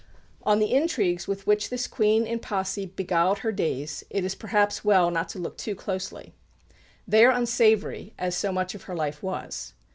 On the intrigues with which this Queen in posse beguiled her days, it is perhaps well not to look too closely. They are unsavoury, as so much of her life was.